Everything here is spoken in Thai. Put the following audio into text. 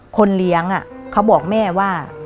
คนเลี้ยงเขาบอกแม่ว่า